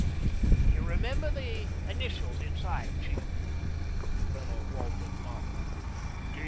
"You remember the initials inside, chief?" Colonel Walton nodded.